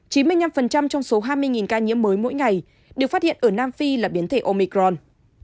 chín mươi năm trong số hai mươi ca nhiễm mới mỗi ngày được phát hiện ở nam phi là biến thể omicron